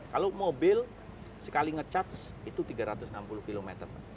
kalau mobil sekali nge charge itu tiga ratus enam puluh km